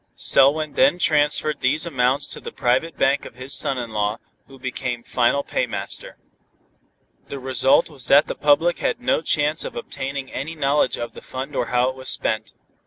Selwyn then transferred these amounts to the private bank of his son in law, who became final paymaster. The result was that the public had no chance of obtaining any knowledge of the fund or how it was spent.